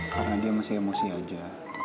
karena dia masih emosi aja